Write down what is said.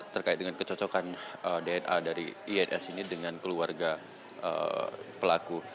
terkait dengan kecocokan dna dari is ini dengan keluarga pelaku